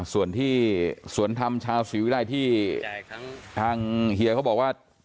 ส่วนที่สวนธรรมชาวศรีวิรัยที่ทางเฮียเขาบอกว่า